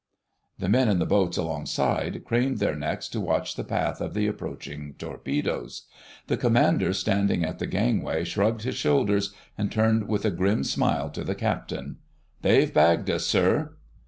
The men in the boats alongside craned their necks to watch the path of the approaching torpedoes. The Commander standing at the gangway shrugged his shoulders and turned with a grim smile to the Captain. "They've bagged us, sir."